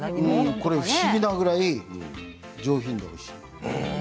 これ、不思議なくらい上品でおいしい。